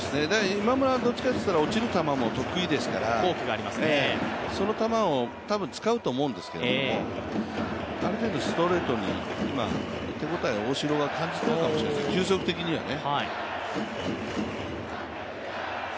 今村はどっちかといったら落ちる球も得意ですからその球を多分使うと思うんですけども、ある程度ストレートに、手応え、大城が感じているかもしれません、球速的にはね。